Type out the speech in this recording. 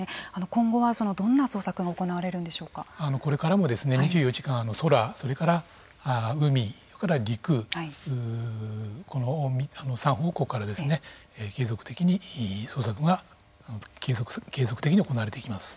今後はどんな捜索がこれからも２４時間空、それから海それから陸この３方向から継続的に捜索が行われていきます。